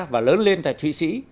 và lớn lên tại thụy sĩ